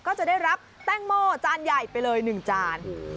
ก็จะได้รับแต้งโม่จานใหญ่ไปเลย๑จาน